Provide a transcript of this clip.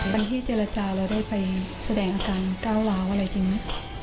วันที่เจรจาเราได้ไปแสดงอาการก้าวร้าวอะไรจริงไหม